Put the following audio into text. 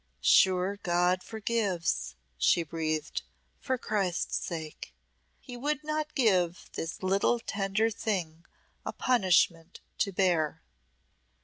"Sure God forgives," she breathed "for Christ's sake. He would not give this little tender thing a punishment to bear."